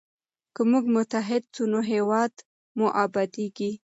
که موږ متحد سو نو هیواد مو ابادیږي.